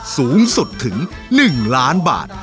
สูงสุดถึง๑ล้านบาท